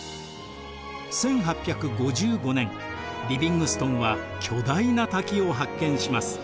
１８５５年リヴィングストンは巨大な滝を発見します。